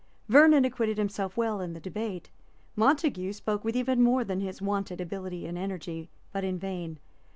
Vernon acquitted himself well in the debate. Montague spoke with even more than his wonted ability and energy, but in vain.